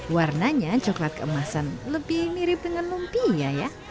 warnanya coklat keemasan lebih mirip dengan lumpia ya